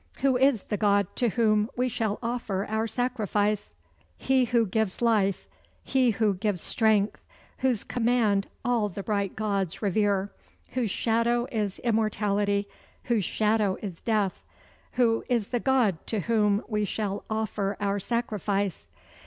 Who is the God to whom we shall offer our sacrifice? "He who gives life, he who gives strength; whose command all the Bright Gods revere; whose shadow is immortality, whose shadow is death. Who is the God to whom we shall offer our sacrifice?